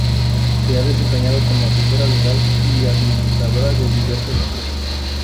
Se ha desempeñado como asesora legal y administradora de diversas empresas.